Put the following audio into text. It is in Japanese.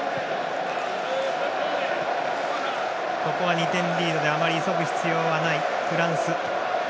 ２点リードであまり急ぐ必要はないフランス。